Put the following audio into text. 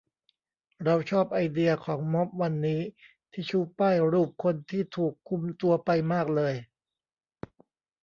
เราชอบไอเดียของม็อบวันนี้ที่ชูป้ายรูปคนที่ถูกคุมตัวไปมากเลย